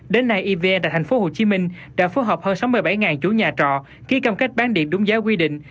đến nay evn tại thành phố hồ chí minh đã phối hợp hơn sáu mươi bảy chủ nhà trọ khi công cách bán điện đúng giá quy định